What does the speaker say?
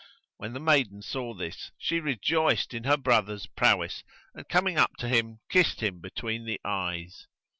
When the maiden saw this, she rejoiced in her brother's prowess and coming up to him, kissed him between the eyes.